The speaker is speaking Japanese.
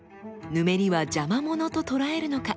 ぬめりは邪魔モノと捉えるのか？